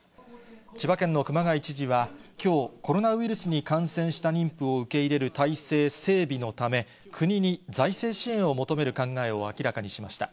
千葉県の熊谷知事は、きょう、コロナウイルスに感染した妊婦を受け入れる体制整備のため、国に財政支援を求める考えを明らかにしました。